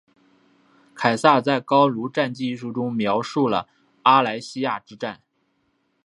凯撒在高卢战记一书中描述了阿莱西亚之战。